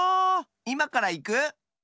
いまからいく？